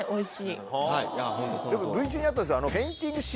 ＶＴＲ中にあったんですけど。